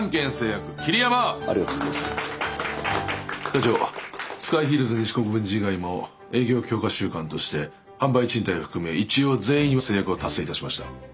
社長スカイヒルズ西国分寺以外も営業強化週間として販売賃貸を含め一応全員成約は達成いたしました。